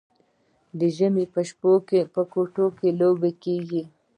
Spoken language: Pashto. د ژمي په شپو کې ګوتې لوبه کیږي.